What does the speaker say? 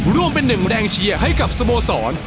ร่วมเป็นหนึ่งแรงเชียร์ให้กับสโมสร